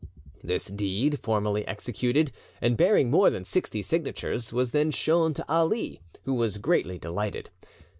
This deed, formally executed, and bearing more than sixty signatures, was then shown to Ali, who was greatly delighted.